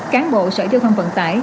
cáng bộ sở giao thông vận tải